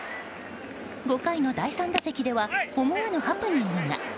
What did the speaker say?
５回の第３打席では思わぬハプニングが。